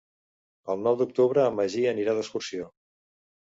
El nou d'octubre en Magí anirà d'excursió.